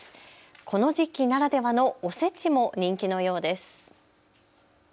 この時期ならではのおせちも人気のようです。